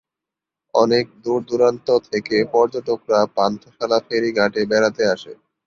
অনেক দূর-দূরান্ত থেকে পর্যটকরা পান্থশালা-ফেরিঘাট এ বেড়াতে আসে।